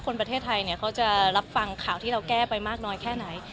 คนประเทศไทยเนี่ยเขาจะรับฟังข่าวที่เราแก้ไปมากน้อยแค่ไหน